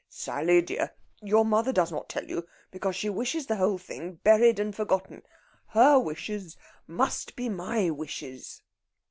"Sally dear, your mother does not tell you because she wishes the whole thing buried and forgotten. Her wishes must be my wishes...."